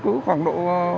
chứ cứ khoảng độ